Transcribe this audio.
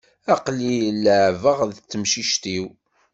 Aql-i leεεbeɣ d temcict-iw.